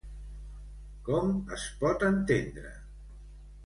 Com es pot entendre?